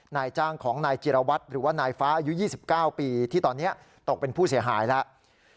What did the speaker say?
นายจ้างของนายจิรวัตรหรือว่านายฟ้าอายุ๒๙ปีที่ตอนนี้ตกเป็นผู้เสียหายแล้ว